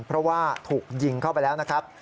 เพราะว่าถูกยิงเข้าไปแล้วนะครับ